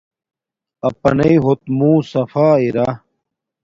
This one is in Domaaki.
اپناݵ ہوت منہ صفا ارا